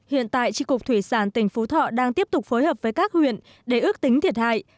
hiện tại tri cục thủy sản tỉnh phú thọ đang tiếp tục phối hợp với các huyện để ước tính thiệt hại